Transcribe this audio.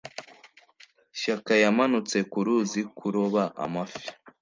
shyaka yamanutse ku ruzi kuroba amafi